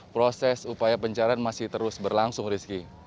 proses upaya pencarian masih terus berlangsung rizky